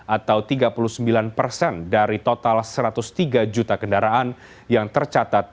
atau tiga puluh sembilan persen dari total satu ratus tiga juta